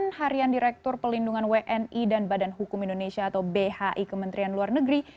dan harian direktur pelindungan wni dan badan hukum indonesia atau bhi kementerian luar negeri